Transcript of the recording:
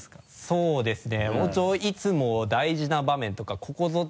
そうですね。